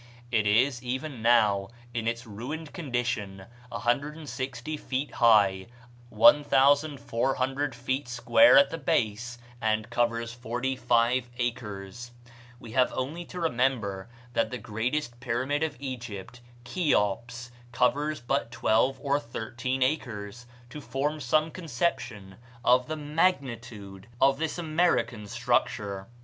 It is even now, in its ruined condition, 160 feet high, 1400 feet square at the base, and covers forty five acres; we have only to remember that the greatest pyramid of Egypt, Cheops, covers but twelve or thirteen acres, to form some conception of the magnitude of this American structure.